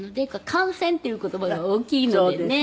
感染っていう言葉が大きいのでね。